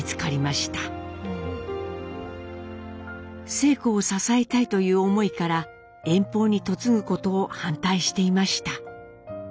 晴子を支えたいという思いから遠方に嫁ぐことを反対していました。